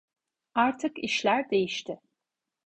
Artık işler değişti.